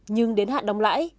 nhưng đến hạn đóng lãi